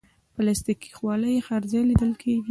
پلاستيکي خولۍ هر ځای لیدل کېږي.